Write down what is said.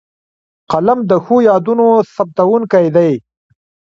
قلم د ښو یادونو ثبتوونکی دی